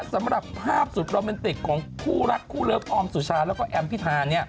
สำหรับภาพสุดโรแมนติกของคู่รักคู่เลิฟออมสุชาแล้วก็แอมพิธา